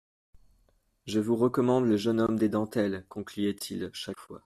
Je vous recommande le jeune homme des dentelles, concluait-il chaque fois.